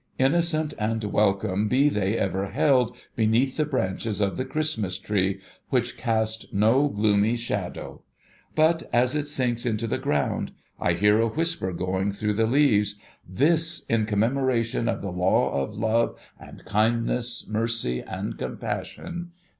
Innocent and welcome be they ever held, beneath the branches of the Christmas Tree, which cast no gloomy shadow ! But, as it sinks into the ground, I hear a whisper going through the leaves. ' This, in com memoration of the law of love and kindness, mercy and compassion.